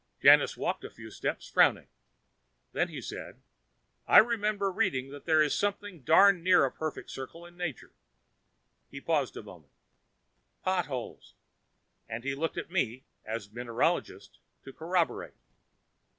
Janus walked a few steps, frowning. Then he said, "I remember reading that there is something darned near a perfect circle in nature." He paused a moment. "Potholes." And he looked at me, as mineralogist, to corroborate.